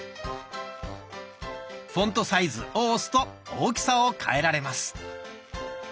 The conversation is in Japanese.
「フォントサイズ」を押すと大きさを変えられます。